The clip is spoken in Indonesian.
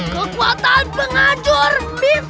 kekuatan pengacur bisul